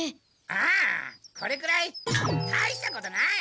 ああこれくらいたいしたことない。